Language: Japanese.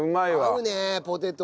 合うねポテト。